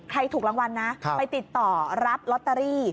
ถูกรางวัลนะไปติดต่อรับลอตเตอรี่